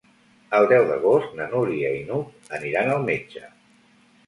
El deu d'agost na Núria i n'Hug aniran al metge.